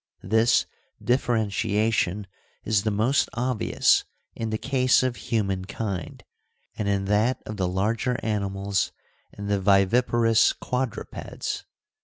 This differentiation is the most obvious in the case of human kind and in that of the larger animals and the viviparous quadrupeds.